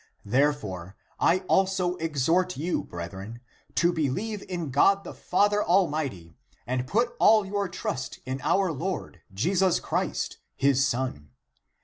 Therefore, I also exhort you, brethren, to be lieve in God the Father Almighty and put all your trust in our Lord Jesus Christ, his Son.